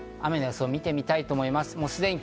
雨の様子を見たいと思います。